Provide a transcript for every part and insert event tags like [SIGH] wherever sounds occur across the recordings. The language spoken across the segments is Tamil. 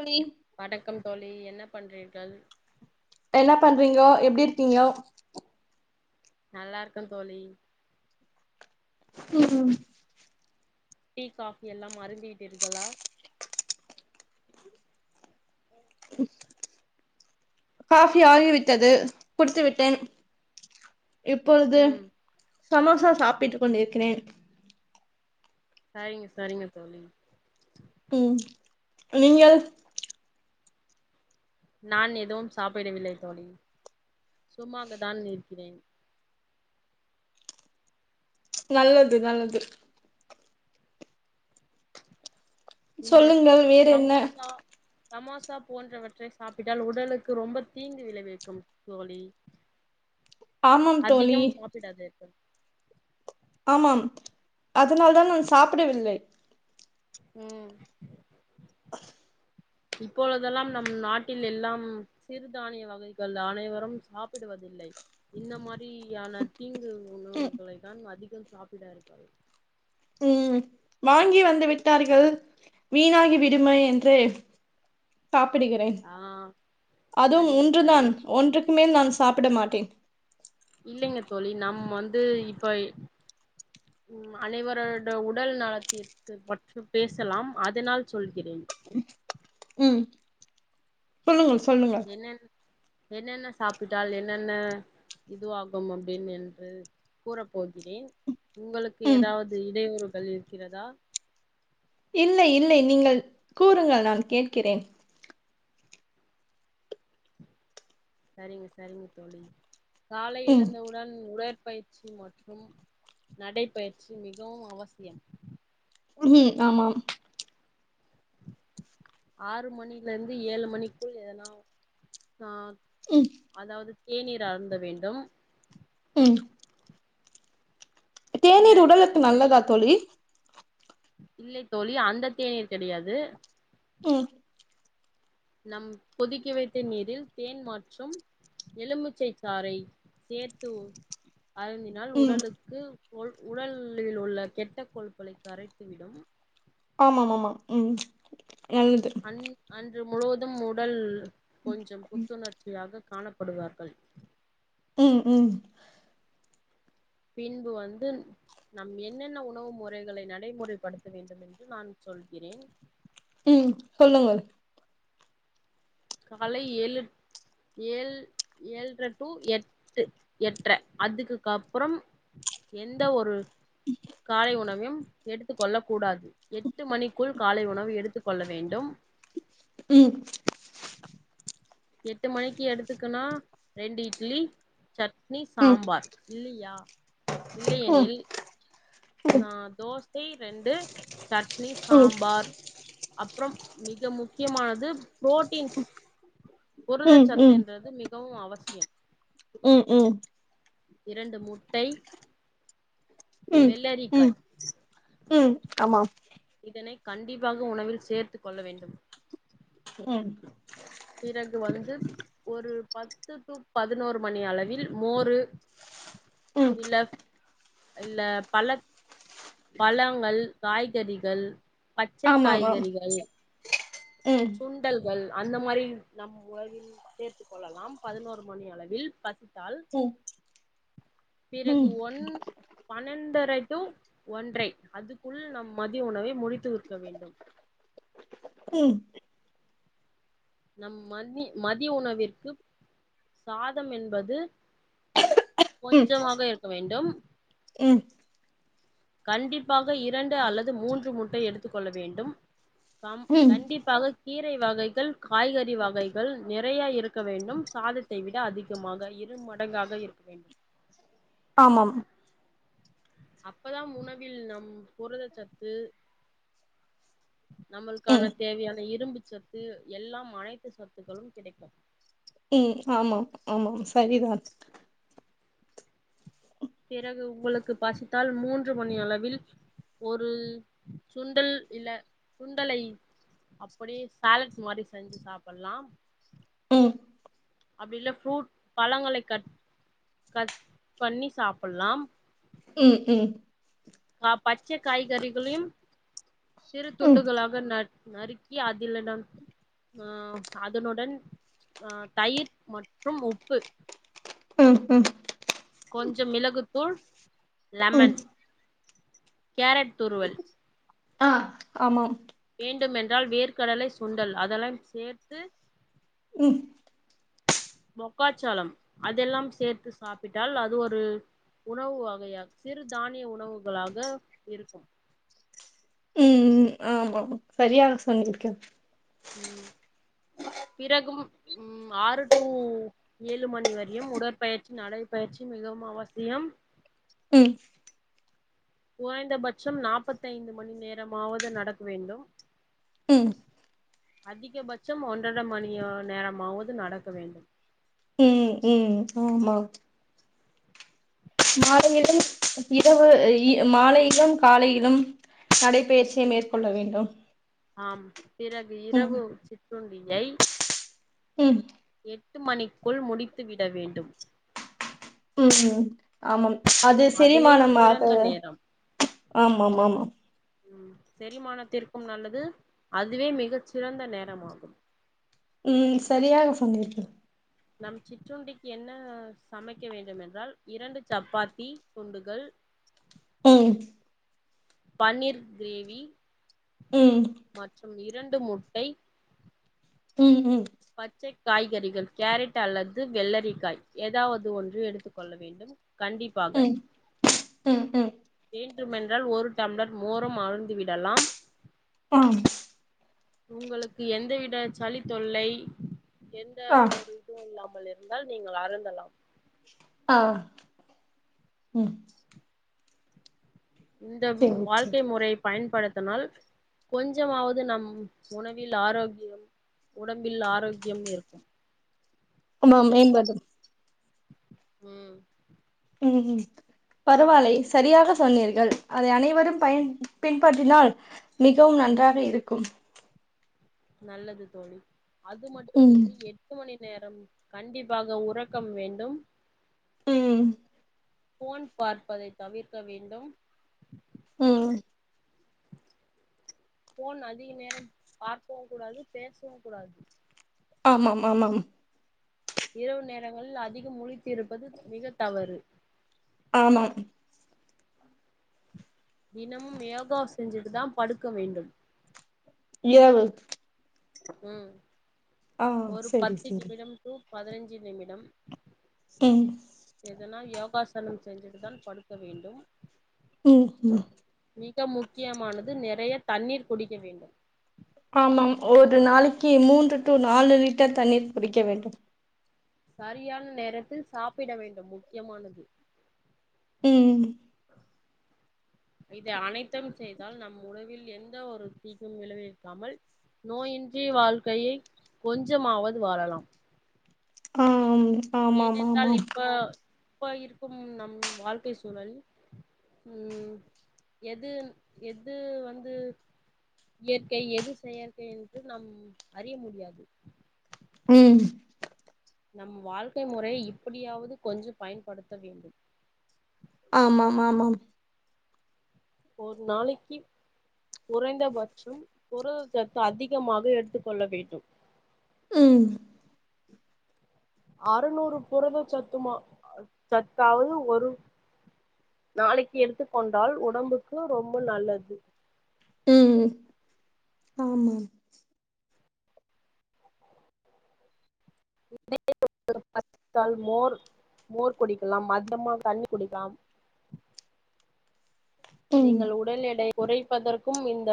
ப்ளீ வணக்கம் தோழி என்ன பண்றீர்கள் என்ன பண்றீங்கோ எப்டி இருக்கீங்கோ நல்லாருக்க தோழி. க் கு ம் டீ காஃபி எல்லாம் அருந்தி விட்டீர்களா காஃபி ஆரிவிட்டது குடித்துவிட்டேன். இப்பொழுது ம் சமோசா சாப்பிட்டு கொண்டிருக்கிறேன். சரிங்க சரிங்க தோழி. ம் நீங்கள்? நான் எதுவும் சாப்பிடவில்லை தோழி சும்மாக தான் இருக்கிறேன். நல்லது நல்லது. இந்த சொல்லுங்கள் வேற என்ன? சமோசா சமோசா போன்றவற்றை சாப்பிட்டால் உடலுக்கு ரொம்ப தீங்கு விளைவிக்கும் தோழி. ஆமாம் தோழி அதிகம் சாப்பிடாதீர்கள். ஆமா அதனாலதான் நான் சாப்பிடவில்லை. ம் இப்பொழுதெல்லாம் நம் நாட்டில் எல்லாம் சிறுதானிய வகைகள் அனைவரும் சாப்பிடுவதில்லை இந்த மாரியான தீங்கு ம் உணவுகளை தான் அதிகம் சாப்பிடார்கள் ம் வாங்கி வந்து விட்டார்கள் வீணாகி விடுமே என்று சாப்பிடுகிறேன் ஆ அதும் சரிங்க சரிங்க ஒன்றுதான் ஒன்றுக்கு மேல் நான் சாப்பிட மாட்டேன் இல்லைங்க தோழி நம் வந்து இப்ப ம் அனைவரோட உடல் நலத்திற் பற்று பேசலாம் அதனால் சொல்கிறேன் ம் சொல்லுங்கள் சொல்லுங்க என்ன என்னென்ன சாப்பிட்டால் என்னென்ன இதுவாகும் அப்படின் என்று கூறப்போகிறேன் உங்களுக்கு ம் ஏதாவ்து இடையூறுகள் இருக்கிறதா இல்லை இல்லை நீங்கள் கூறுங்கள் நான் கேட்கிறேன் சரிங்க சரிங்க தோழி காலை ம் எழுந்தவுடன் உடன் உடற்பயிற்சி மற்றும் நடைப்பயிற்சி மிகவும் அவசியம் இஹும் ஆமாம் ஆறு மணில இருந்து ஏழு மணிக்குள் எதனா ஆ. ம் அதாவது தேநீர் அருந்த வேண்டும். ம் இல்ல தேநீர் உடலுக்கு இல்லை நல்லதா தோழி இல்லை தோழி அந்த தேநீர் கிடையாது ம் நம் கொதிக்க வைத்த நீரில் தேன் மற்றும் எலுமிச்சை சாறை சேர்த்து அருந்த அதனால் ம் உடலுக்கு உ உடலில் உள்ள கெட்ட கொழுப்புகளை கரைத்துவிடும் ஆமாம் ஆமாம் ம் நல்லது அன்று முழுவதும் உடல் கொஞ்சம் புத்துணர்ச்சியாக காணப்படுவார்கள் ம் ம் பின்பு வந்து நம் என்னென்ன உணவு முறைகளை நடைமுறைப்படுத்த வேண்டும் என்று நான் சொல்கிறேன் ம் சொல்லுங்கள் காலை ஏழு ஏழு ஏழ்ர டூ எட்டு எட்ர அதுக்குக்கப்றம் எந்த ஒரு காலை உணவையும் எடுத்துக்கொள்ள கூடாது எட்டு மணிக்குள் காலை உணவு எடுத்துக்க கொள்ள வேண்டும் ம் எட்டு மணிக்கு எடுத்துக்குன்னா ரெண்டு இட்லி சட்னி ம் சாம்பார் இல்லியா ம் இல்லையெனில் ஆ தோசை ரெண்டு சட்னி ம் சாம்பார் அப்புறம் மிக முக்கியமானது பு்ரோட்டீன்ஸ் ம் புரத ம் ம் சத்துன்றது மிகவும் அவசியம் ம் ம் இரண்டு முட்டை ம் ம் வெள்ளரிக்காய் ம் ஆமா இதனை கண்டிப்பாக உணவில் சேர்த்து கொள்ள வேண்டும் ம் பிறகு வந்து ஒரு பத்து டூ பதினொரு மணி அளவில் மோரு ம் இல்ல இல்ல பழ பழங்கள் காய்கறிகள் பச்சை ஆமாம் ஆமாம் காய்கறிகள் ம் சுண் டல்கள் அந்த மாரி நம் உணவில் சேர்த்து கொள்ளலாம் பதினொரு மணி அளவில் பசி த்தால் ம் பிறகு ம் ஒன் பன்னெண்டரை டூ ஒன்றை அதுக்குள் நம் மதிய உணவை முடித்துற்க வேண்டும் ம் நம் மதி மதிய உணவிற்கு சாதம் என்பது ம் கொஞ்சமாக இருக்க வேண்டும் ம் கண்டிப்பாக இரண்டு அல்லது மூன்று முட்டை எடுத்துக்கொள்ள வேண்டும் கம் ம் கண்டிப் பாக கீரை வகைகள் காய்கறி வகைகள் நெ றையா இருக்க வேண்டும் சாதத்தை விட அதிகமாக இரு மடங்காக இருக்க வேண்டும் ஆமாம் அப்பதாம் உணவில் நம் புரத சத்து ம் நம்மளுக்கான தேவையான இரும்பு சத்து எல்லாம் அனைத்து சத்துக்களும் கிடைக்கும் ம் ஆமாம் ஆமாம் சரிதான் பிறகு உங்களுக்கு பசித்தால் மூன்று மணி அளவில் ஒரு சுண்டல் இல்ல சுண்டலை அப்படியே சாலட் மாரி செஞ்சு சாப்பலாம் ம் அப்டி இல்ல ஃப்ரூட் பழங்களை கட் கட் பண்ணி சாப்புலாம் ம் ம் கா பச்ச காய்கறிகளயும் சிறு ம் துண்டுகளா க நட் நறுக்கி அதில நா ஆ அதனுடன் ஆ தயிர் மற்றும் உப்பு ம் ம் கொஞ்சம் மிளகுத்தூள் ம் லெமன் கேரெட் துருவல் ஆ ஆமாம் வேண்டுமென்றால் வேர்க்கடலை சுண்டல் அதெல்லாம் சேர்த்து ம் மொக்காச்சோளம் அதெல்லாம் சேர்த்து சாப்பிட்டால் அது ஒரு உணவு வகையா சிறு தானிய உணவுகளாக இருக்கும் ம் ஆமாமா சரியாக சொன்னீர்கள் ம் ஆ பிறகும் ம் ஆறு டூ ஏழு மணி வரியும் உடற்பயிற்சி நடை பயிற்சி மிகவும் அவசியம் ம் குயந்தபச்சம் நாப்பத்தைந்து மணி நேரமாவது நடக்க வேண்டும் ம் அதிகபச்சம் ஒன்றர மணி நேரமாவது நடக்க வேண்டு ம் ம் ஆமா மாலையிலு இரவு இ பிற மாலையிலு காலையிலு நடைபயிற் ம் ஆம் பிறகு ம் இரவு சிற்றுண்டியை ம் எட்டு மணிக்குள் முடித்துவிட வேண்டும் ம் ஆமாம் அது அதுவே செரிமானமாக சிறந்த நேரம் ஆமாம் ஆமாம் ம் செரிமானத்திற்கும் நல்லது அதுவே மிக சிறந்த நேரமாகும் ம் சரியாக சொன்னீர்கள் நம் சிற்றுண்டிக்கு என்ன சமைக்க வேண்டும்மென்றால் இரண்டு சப்பாத்தி துண்டுகள் ம் பன்னீர் கிரேவி ம் மற்றும் இரண்டு முட்டை ம் ம் பச்சை காய்கறிகள் கேரட் அல்லது வெள்ளரிக்காய் ஏதாவது ஒன்று எடுத்து கொள்ள வேண்டு ம் கண்டிப்பாக ம் ம் ம் வேண்டுமென்றால் ஒரு டம்ளர் மோரும் அருந்திவிடலாம் ஆம் உங்களுக்கு எந்தவித சளி தொல்லை எந்த ஆ ஒரு இதுவும் இல்லாமல் இருந்தால் நீங்கள் அருந்தலாம் ஆ ம் இந்த சேரி சேரி வாழ்க்கை முறை பயன்படுத்தனால் கொஞ்சமாவது நம் உணவில் ஆரோக்கியம் உடம்பில் ஆரோக்கியம் இருக்கும் ஆமாம் மெயின் [UNINTELLIGIBLE] ம் ம் பரவாலை சரியாக சொன்னீர்கள் அதை அனைவரும் பயன் பின்பற்றினால் மிகவும் நன்றாக இருக்கும் நல்லது தோழி அது ம் மட்டுமின்றி எட் ட்டு மணி நேரம் கண்டிப்பாக உறக்கம் வேண்டும் ம் ஃபோன் பார்ப்பதை தவிர்க்க வேண்டும் ம் ஃபோன் அதிக நேரம் பார்க்கவு கூடாது பேசவு கூடாது ஆமாம் ஆமாம் இரவு நேரங்களில் அதிகம் முழித்திருப்பது மிக தவறு ஆமாம் தினமும் யோகா செஞ்சுட்டு தா படுக்க வேண்டும் இரவு ம் ஆ ஒரு சரி பத்து சரி நிமிடம் டு பதினஞ்சு நிமிடம் ம் எதனா யோகாசனம் செஞ்சுட்டு தான் படுக்க வேண்டும் ம் ம் மிக முக்கியமானது நெறைய தண்ணீர் குடிக்க வேண்டும் ஆமாம் ஒரு நாளைக்கு மூன்று டூ நாலு லிட்டர் தண்ணீர் குடிக்க வேண்டும் சரியான நேரத்தில் சாப்பிட வேண்டும் முக்கியமானது ம் இதை அனைத்தும் செய்தால் நம் உடவில் எந்த ஒரு தீங்கும் விளைவிக்காமல் நோயின்றி வாழ்க்கையை கொஞ்சமாவது வாழலாம் ஆ ம் ஏனென்றால் இப்ப இப்ப இருக்கும் நம் வாழ்க்கை சூழல் ம் எது எது வந்து எது இயற்கை எது செயற்கை என்று நாம் அறிய முடியாது ம் நம் வாழ்க்கை முறை இப்படியாவது கொஞ்ச பயன்படுத்த வேண்டும் ஆமாம் ஆமாம் ஒரு நாளைக்கி குறைந்த பட்சம் புரத சத்து அதிகமாக எடுத்துக்கொள்ள வேண்டும் ம் அறநூறு புரத சத்துமா சத்தாவது ஒரு நாளைக்கி எடுத்துக் கொண்டால் உடம்புக்கு ரொம்ப நல்லது ம் ஆமாம் [UNINTELLIGIBLE] மோர் மோர் குடிக்கலாம் அந்தமா தண்ணி குடிக்கலாம் ம் நீங்கள் உடல் எடை குறைப்பதற்கும் இந்த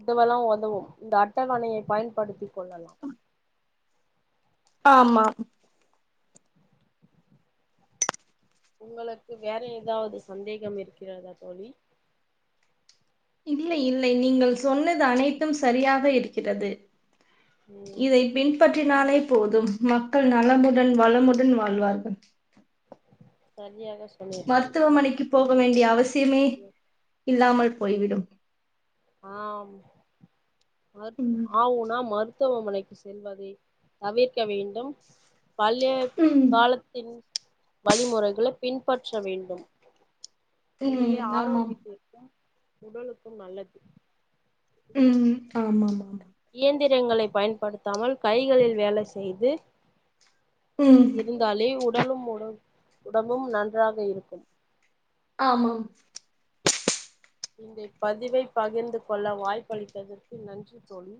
இதுவெல்லா ஒதவு இந்த அட்டவணையை பயன்படுத்திக் கொள்ளலாம் ஆமாம் உங்களுக்கு வேற ஏதாவது சந்தேகம் இருக்கிறதா தோழி இல்லை இல்லை நீங்கள் சொன்னது அனைத்தும் சரியாக இருக்கிறது ம் இதை பின் பற்றினாலே போதும் மக்கள் நலமுடன் வளமுடன் வாழ்வார்கள் சரியாக ஸ் மருத்துவமனைக்குப் போக வேண்டிய அவசியமே இல்லாமல் போய்விடும் ஆம் அத் ம் ஆ ஊனா மருத் த்துவமனைக்கு செல்வதை தவிர்க்க வேண்டும் பழைய ம் காலத் தின் வழிமுறைகளை பின்பற்ற வேண்டும் இதுவே ம் ஆமாம் ஆரோக்கியத்திற்கும் உடலுக்கும் நல்லது ம் ஆமாம் இயந்திரங்களை பயன்படுத்தாமல் கைகளில் வேலை செய்து ம் இருந் தாலே உடலும் உடம்பும் நன்றாக இருக்கும் ஆமாம் இந்தப் பதிவை பகிர்ந்து கொள்ள வாய்ப்பளித்ததற்கு நன்றி தோழி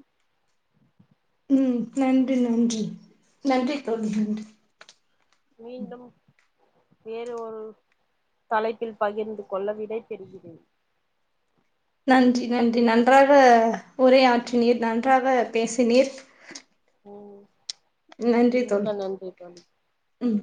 ம் நன்றி நன்றி நன்றி தோழி நன்றி மீண்டும் வேறு ஒரு தலைப்பில் பகிர்ந்து கொள்ள விடைபெறுகிறேன் நன்றி நன்றி நன்றாக உரையாற்றினீர் நன்றாகப் பேசினீர் ம் நன்றி தோழி மிக்க நன்றி தோழி ம்